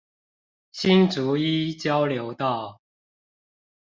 新竹一交流道